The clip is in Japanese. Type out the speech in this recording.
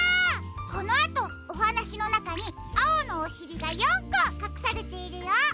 このあとおはなしのなかにあおのおしりが４こかくされているよ。